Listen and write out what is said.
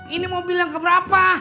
ini mobil yang keberapa